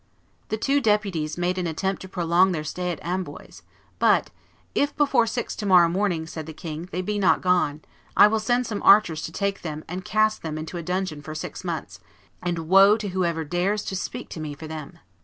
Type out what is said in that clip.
The two deputies made an attempt to prolong their stay at Amboise: but, "If before six to morrow morning," said the king, "they be not gone, I will send some archers to take them and cast them into a dungeon for six months; and woe to whoever dares to speak to me for them!"